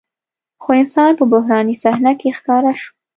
خو انسان په بحراني صحنه کې ښکاره شو.